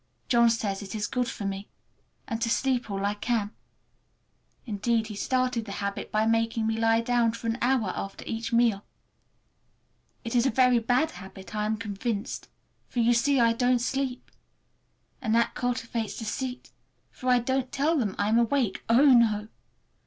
John says it is good for me, and to sleep all I can. Indeed, he started the habit by making me lie down for an hour after each meal. It is a very bad habit, I am convinced, for, you see, I don't sleep. And that cultivates deceit, for I don't tell them I'm awake,—oh, no!